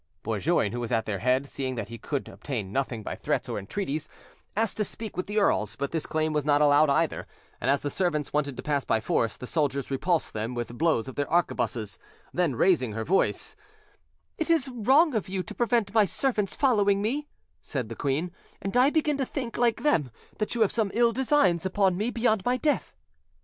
Bourgoin, who was at their head, seeing that he could obtain nothing by threats or entreaties, asked to speak with the earls; but this claim was not allowed either, and as the servants wanted to pass by force, the soldiers repulsed them with blows of their arquebuses; then, raising her voice— "It is wrong of you to prevent my servants following me," said the queen, "and I begin to think, like them, that you have some ill designs upon me beyond my death."